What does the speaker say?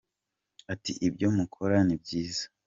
Ati “ Ibyo mukora ni byiza.